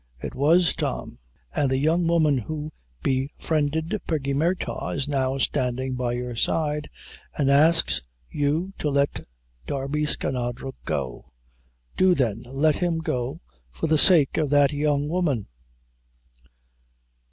"It was Tom; and the young woman who befriended Peggy Murtagh is now standin' by your side and asks you to let Darby Skinadre go; do, then, let him go, for the sake of that young woman!"